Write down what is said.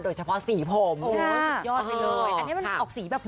โดยเฉพาะสีผม